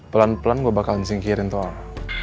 pelan pelan gue bakalan singkirin tolong